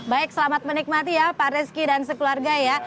baik selamat menikmati ya pak rezeki dan sekeluarga ya